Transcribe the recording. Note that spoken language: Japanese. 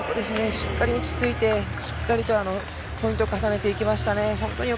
しっかり落ち着いて、しっかりとポイントを重ねていきましたね。